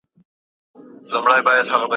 روغتیا د هر چا حق دی.